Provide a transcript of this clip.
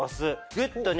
グッとね